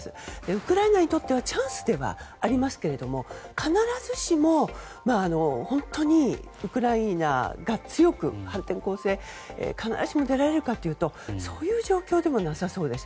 ウクライナにとってはチャンスではありますけれども必ずしも、本当にウクライナが強く反転攻勢に必ずしも出られるかというとそういう状況でもなさそうです。